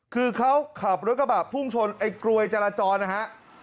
คือเขาขับรถกระบะพุ่งชนไอ้กรวยจราจรนะฮะ